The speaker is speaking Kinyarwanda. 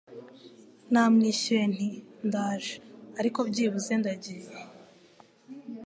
Namwishuye nti Ndaje ariko byibuze ndagiye